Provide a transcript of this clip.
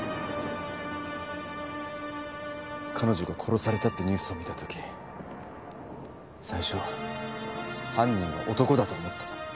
彼女が殺されたってニュースを見た時最初は犯人は男だと思った。